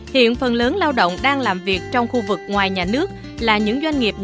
hiện phần lớn lao động đang làm việc trong khu vực ngoài nhà nước là những doanh nghiệp